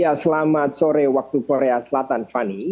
ya selamat sore waktu korea selatan fani